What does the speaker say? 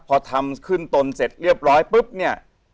พอทำขึ้นตนเสร็จเรียบร้อยปุ๊บเนี่ย